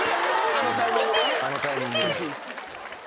あのタイミングでね。